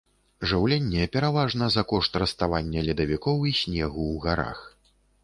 Жыўленне пераважна за кошт раставання ледавікоў і снегу ў гарах.